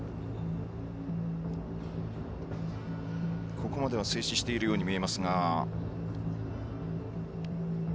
ここまでは静止しているように見えます。